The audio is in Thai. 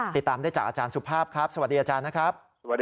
ติดตามได้จากอาจารย์สุภาพครับสวัสดีอาจารย์นะครับ